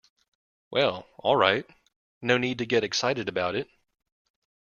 Well, all right, no need to get excited about it.